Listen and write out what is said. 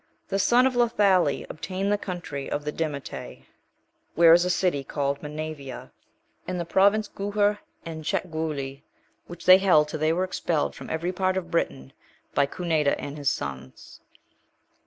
The sons of Liethali(2) obtained the country of the dimetae, where is a city called Menavia,(3) and the province Guiher and Cetgueli, (4) which they held till they were expelled from every part of Britain, by Cunedda and his sons.